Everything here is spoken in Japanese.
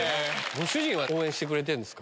ご主人は応援してくれてるんですか？